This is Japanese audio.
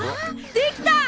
できた！